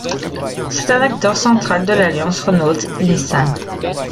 C’est un acteur central de l’alliance Renault-Nissan.